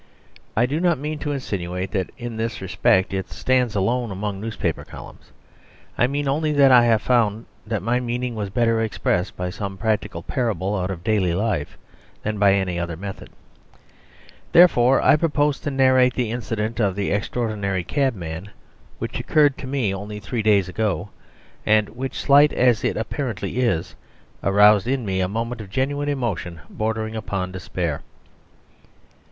I do not mean to insinuate that in this respect it stands alone among newspaper columns. I mean only that I have found that my meaning was better expressed by some practical parable out of daily life than by any other method; therefore I propose to narrate the incident of the extraordinary cabman, which occurred to me only three days ago, and which, slight as it apparently is, aroused in me a moment of genuine emotion bordering upon despair.